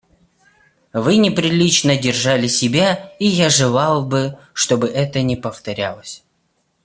Вы неприлично держали себя, и я желал бы, чтоб это не повторялось.